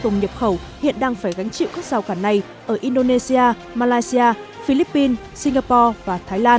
công nhập khẩu hiện đang phải gánh chịu các rào cản này ở indonesia malaysia philippines singapore và thái lan